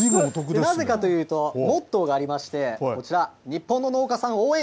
なぜかというと、モットーがありまして、こちら、日本の農家さん応援。